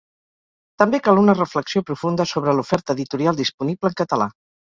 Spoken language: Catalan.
També cal una reflexió profunda sobre l’oferta editorial disponible en català.